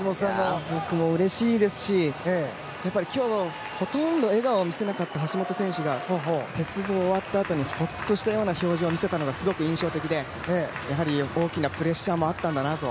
僕もうれしいですし今日、ほとんど笑顔を見せなかった橋本選手が鉄棒終わったあとにほっとした表情を見せたのがすごく印象的でやはり大きなプレッシャーもあったんだなと。